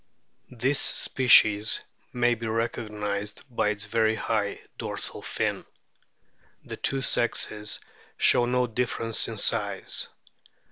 This species may be recognised by its very high dorsal fin. The two sexes show no difference in size.